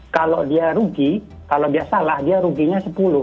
kalau dia rugi kalau dia salah dia ruginya sepuluh